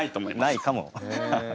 ないかも。